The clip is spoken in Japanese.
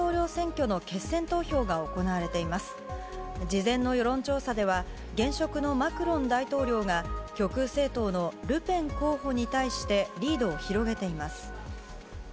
事前の世論調査では、現職のマクロン大統領が、極右政党のルペン候補に対してリードを広げています。